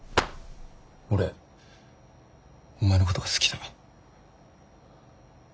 俺お前のことが好きだ。